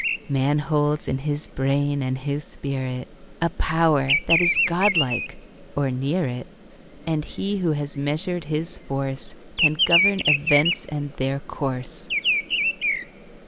Man holds in his brain and his spirit A power that is God like, or near it, And he who has measured his force Can govern events and their course.